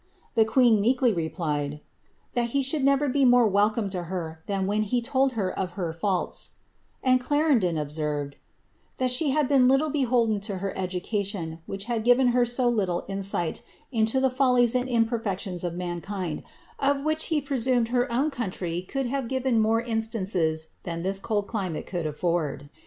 sen meekly replied, ^^ that he should never be more welcome 1 when he told her of her faults ;" and Clarendon observed, had been little beholden to her education, which had given e insight into the follies and imperfections of mankind, of presumed her own country could have given more instances cold climate could afford.